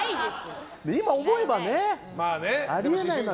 今思えばあり得ないのよ。